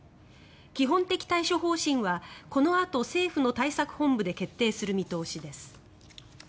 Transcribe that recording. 基本的対処方針はこのあと、政府の対策本部で決定する見通しです。